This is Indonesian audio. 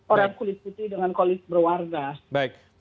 orang kulit putih dengan kulit berwargas